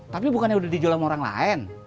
tapi bukannya udah dijual sama orang lain